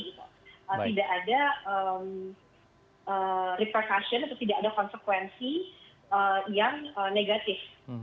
tidak ada reportation atau tidak ada konsekuensi yang negatif